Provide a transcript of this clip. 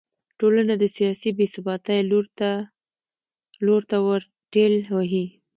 ټولنه د سیاسي بې ثباتۍ لور ته ور ټېل وهي.